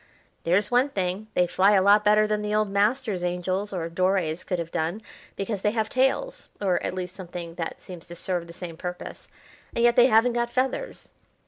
"There's one thing, they fly a lot better than the old masters' angels or Doré's could have done, because they have tails or at least something that seems to serve the same purpose, and yet they haven't got feathers."